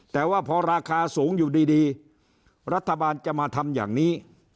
แต่ว่าพอราคาสูงอยู่ดีรัฐบาลจะมาทำอย่างนี้